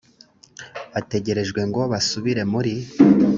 bategerejwe ngo basubire muri